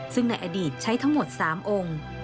ซึ่งในอดีตใช้ทั้งหมด๓องค์